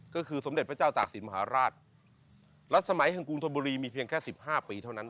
ก็คือสมเด็จพระเจ้าตากศิลปมหาราชรัฐสมัยแห่งกรุงธนบุรีมีเพียงแค่สิบห้าปีเท่านั้น